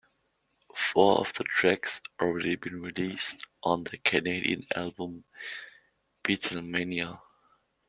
Four of the tracks had already been released on the Canadian album Beatlemania!